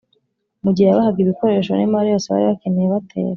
mu gihe yabahaga ibikoresho n'imari yose bari bakeneye batera,